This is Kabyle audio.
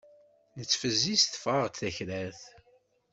Nettfezziz teffeɣ-aɣ d takrart.